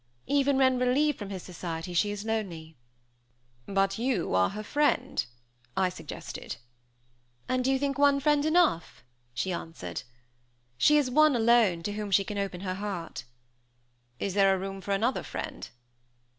Even when relieved from his society, she is lonely." "But you are her friend?" I suggested. "And you think one friend enough?" she answered; "she has one alone, to whom she can open her heart." "Is there room for another friend?"